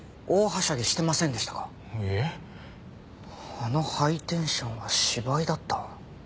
あのハイテンションは芝居だった？